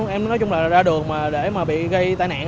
em nói chung là ra đường mà để mà bị gây tai nạn